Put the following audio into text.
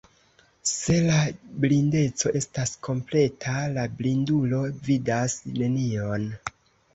Se la blindeco estas kompleta, la blindulo vidas nenion.